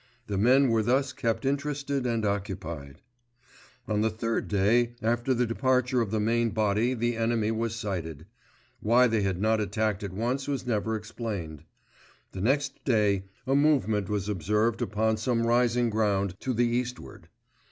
The men were thus kept interested and occupied. On the third day after the departure of the main body the enemy was sighted; why they had not attacked at once was never explained. The next day a movement was observed upon some rising ground, to the eastward.